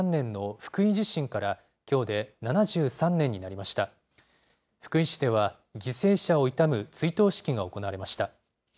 福井市では犠牲者を悼む追悼式が行われました。